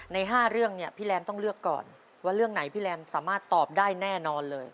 ใน๕เรื่องเนี่ยพี่แรมต้องเลือกก่อนว่าเรื่องไหนพี่แรมสามารถตอบได้แน่นอนเลย